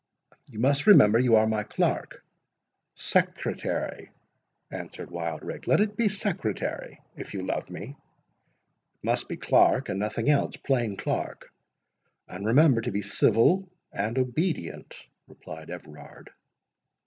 "You must remember you are my clerk." "Secretary," answered Wildrake: "let it be secretary, if you love me." "It must be clerk, and nothing else—plain clerk—and remember to be civil and obedient," replied Everard.